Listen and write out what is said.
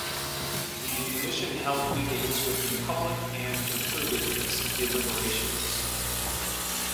The Commission held meetings with the public and concluded its deliberations.